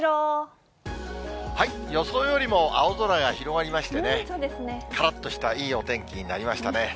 予想よりも青空が広がりましてね、からっとしたいいお天気になりましたね。